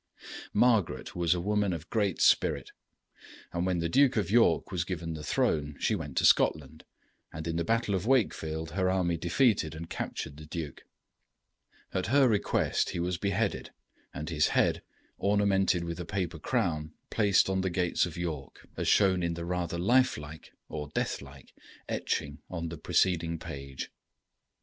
] Margaret was a woman of great spirit, and when the Duke of York was given the throne she went to Scotland, and in the battle of Wakefield her army defeated and captured the duke. At her request he was beheaded, and his head, ornamented with a paper crown, placed on the gates of York, as shown in the rather life like or death like etching on the preceding page.